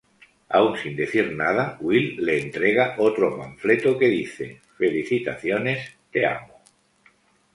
Aún sin decir nada, Will le entrega otro panfleto que dice "Felicitaciones: Te Amo".